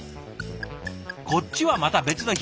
こっちはまた別の日。